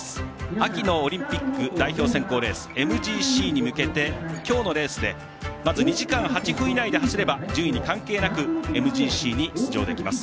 秋のオリンピック代表選考レースＭＧＣに向けて今日のレースでまず２時間８分以内で走れば順位に関係なくＭＧＣに出場できます。